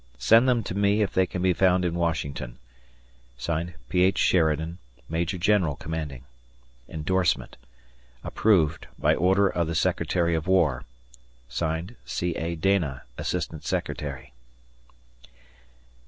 Send them to me if they can be found in Washington. P. H. Sheridan, Major General Commanding. [Indorsement] Approved: By order of the Secretary of War. C. A. Dana, Asst. Secretary.